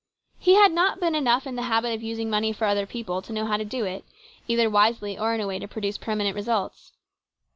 He had not been enough in the habit of using money for other people to know how to do it, either wisely or in a way to produce permanent results.